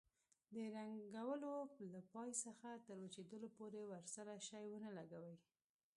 د رنګولو له پای څخه تر وچېدلو پورې ورسره شی ونه لګوئ.